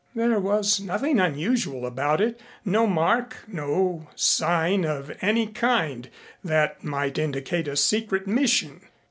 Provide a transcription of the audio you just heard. There was nothing unusual about it, no mark, no sign of any kind that might indicate a secret mission.